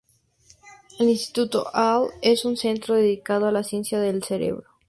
El Instituto Allen es un centro dedicado a la ciencia del cerebro.